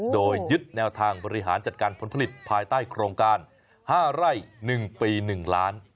โดยยึดแนวทางบริหารจัดการผลผลิตภายใต้โครงการ๕ไร่๑ปี๑ล้าน